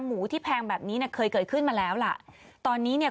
หมูที่แพงแบบนี้เนี่ยเคยเกิดขึ้นมาแล้วล่ะตอนนี้เนี่ย